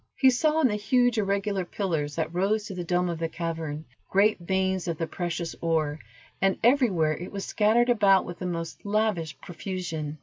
He saw in the huge irregular pillars that rose to the dome of the cavern, great veins of the precious ore, and everywhere it was scattered about with the most lavish profusion.